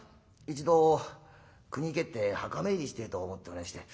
「一度国へ帰って墓参りしてえと思っておりまして。